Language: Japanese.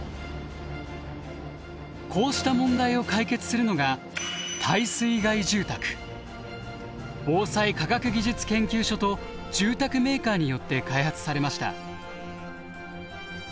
こうした問題を解決するのが防災科学技術研究所と住宅メーカーによって開発されました。